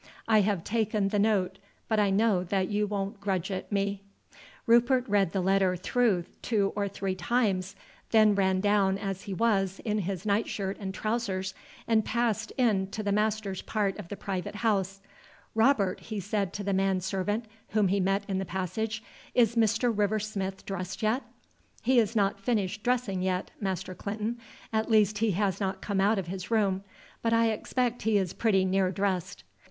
I have taken the note, but I know that you won't grudge it me." Rupert read the letter through two or three times, then ran down as he was, in his night shirt and trousers, and passed in to the master's part of the private house. "Robert," he said to the man servant whom he met in the passage, "is Mr. River Smith dressed yet?" "He is not finished dressing yet, Master Clinton; at least he has not come out of his room. But I expect he is pretty near dressed."